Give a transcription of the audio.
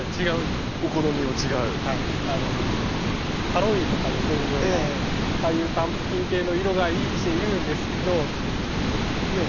ハロウィーンとかで売れるようなああいうパンプキン系の色がいいって言うんですけどね